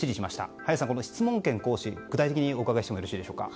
林さん、質問権指示について具体的にお伺いしてもよろしいでしょうか。